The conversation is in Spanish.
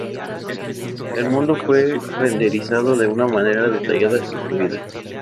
El mundo fue renderizado de una manera detallada y fluida.